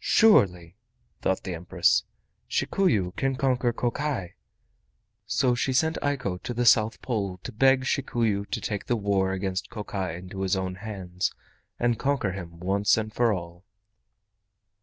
"Surely," thought the Empress, "Shikuyu can conquer Kokai." So she sent Eiko to the South Pole to beg Shikuyu to take the war against Kokai into his own hands and conquer him once for all.